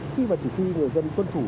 khi và chỉ khi người dân tuân thủ